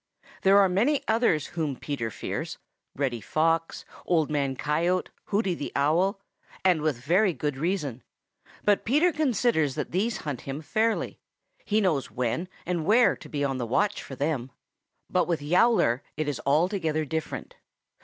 There are many others whom Peter fears, Reddy Fox, Old Man Coyote, Hooty the Owl, and with very good reason. But Peter considers that these hunt him fairly. He knows when and where to be on the watch for them. But with Yowler it is altogether different.